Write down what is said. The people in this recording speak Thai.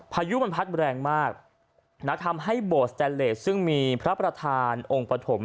พายุมันพัดแรงมากนะทำให้โบสแตนเลสซึ่งมีพระประธานองค์ปฐม